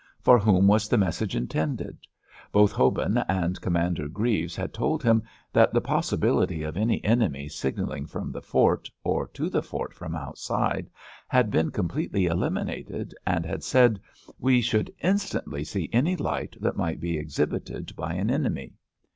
For whom was the message intended? Both Hobin and Commander Grieves had told him that the possibility of any enemy signalling from the fort, or to the fort from outside, had been completely eliminated, and had said, "We should instantly see any light that might be exhibited by an enemy."